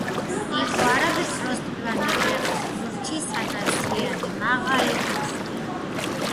იყო არაბეთს როსტევან მეფე ღვრთისაგან სვიანი მაღალი უხვი